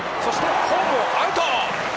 ホームもアウト！